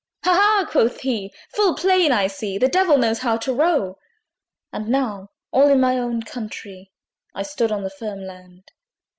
"Ha! ha!" quoth he, "full plain I see, The Devil knows how to row." And now, all in my own countree, I stood on the firm land!